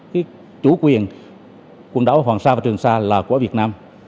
cái chủ quyền quần đảo hoàng sa và trường sa là của việt nam